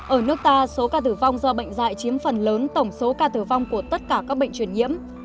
ở nước ta số ca tử vong do bệnh dạy chiếm phần lớn tổng số ca tử vong của tất cả các bệnh truyền nhiễm